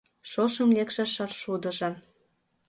Шошым лекше шаршудыжо